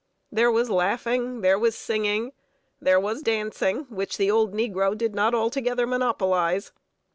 There was laughing, there was singing, there was dancing, which the old negro did not altogether monopolize.